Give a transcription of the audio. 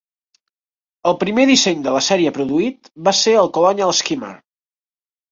El primer disseny de la sèrie produït va ser el Colonial Skimmer.